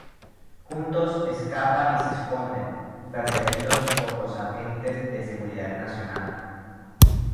Juntos escapan y se esconden, perseguidos por los agentes de Seguridad Nacional.